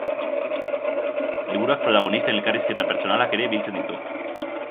Liburuak protagonisten elkarrizketa pertsonalak ere biltzen ditu.